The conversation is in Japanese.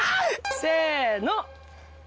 せの。